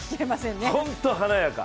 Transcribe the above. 本当に華やか。